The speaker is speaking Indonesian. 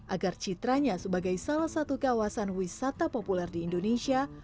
agar citranya sebagai salah satu kawasan wisata populer di indonesia